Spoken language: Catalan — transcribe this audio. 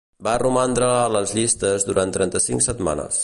Va romandre a les llistes durant trenta-cinc setmanes.